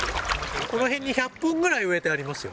この辺に１００本ぐらい植えてあそうなんですか。